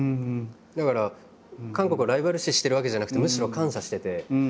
だから韓国をライバル視してるわけじゃなくてむしろ感謝してて。